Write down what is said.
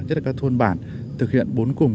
nhất là các thôn bản thực hiện bốn cùng